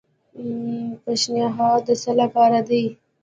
پیشنھاد د څه لپاره دی؟